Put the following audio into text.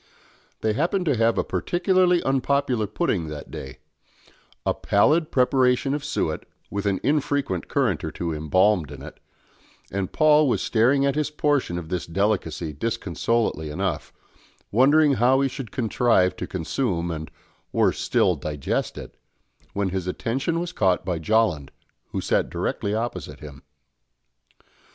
They happened to have a particularly unpopular pudding that day; a pallid preparation of suet, with an infrequent currant or two embalmed in it, and Paul was staring at his portion of this delicacy disconsolately enough, wondering how he should contrive to consume and, worse still, digest it, when his attention was caught by Jolland, who sat directly opposite him.